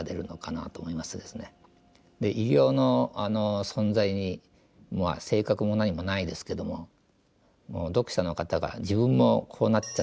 で異形の存在に性格も何もないですけども読者の方が自分もこうなっちゃったらどうしようみたいなですね